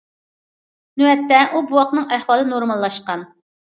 نۆۋەتتە ئۇ بوۋاقنىڭ ئەھۋالى نورماللاشقان.